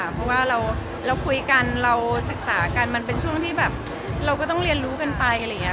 เพราะว่าเราคุยกันเราศึกษากันมันเป็นช่วงที่แบบเราก็ต้องเรียนรู้กันไปอะไรอย่างนี้